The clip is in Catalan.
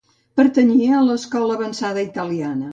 Pertanyia a l'escola avançada italiana.